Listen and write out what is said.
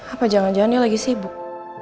apa jangan jangan dia lagi sibuk